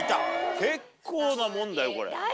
結構なもんだよこれ。